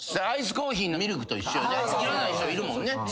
アイスコーヒーのミルクと一緒よね。